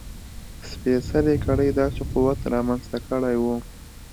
سپېڅلې کړۍ داسې قوت رامنځته کړی و.